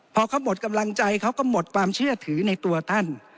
พอเขาหมดกำลังใจเขาก็หมดความเชื่อถือในตัวท่าน